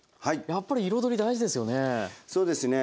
やっぱり彩り大事ですよね。